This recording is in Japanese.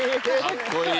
かっこいい。